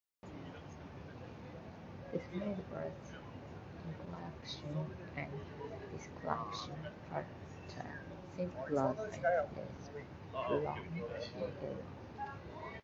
This made both encryption and decryption faster, simpler and less prone to error.